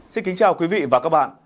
xin kính chào quý vị và các bạn